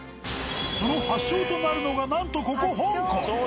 その発祥となるのがなんとここ香港。